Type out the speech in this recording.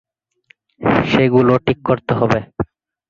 সেগুলো ঠিক করতে হবে।